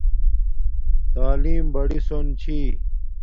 تعلیم بڑی سون چھی